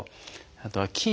あとは筋